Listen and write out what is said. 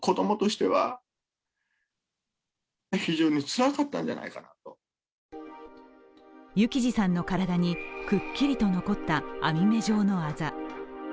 幸士さんの体にくっきりと残った網目状のあざ。